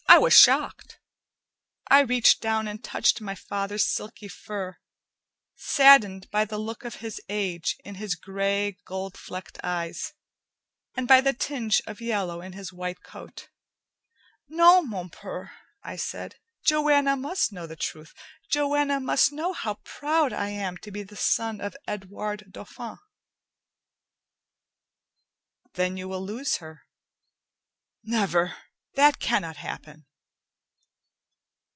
I was shocked. I reached down and touched my father's silky fur, saddened by the look of his age in his gray, gold flecked eyes, and by the tinge of yellow in his white coat. "No, mon purr," I said. "Joanna must know the truth. Joanna must know how proud I am to be the son of Edwarde Dauphin." "Then you will lose her." "Never! That cannot happen!"